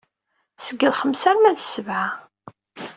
Seg lxemsa arma d ssebɛa.